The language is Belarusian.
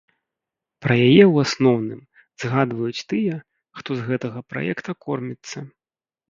Пра яе, у асноўным, згадваюць тыя, хто з гэтага праекта корміцца.